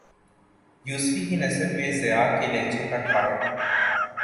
یوسفی کی نثر میں ضیاء کے لہجے کا ٹھاٹ